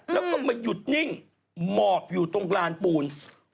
แล้วก็มาหยุดนิ่งหมอบอยู่ตรงลานปูน